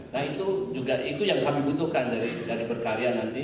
nah itu juga itu yang kami butuhkan dari berkarya nanti